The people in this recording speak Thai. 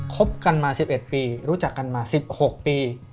คบกันมา๑๑ปีรู้จักกันมา๑๖ปี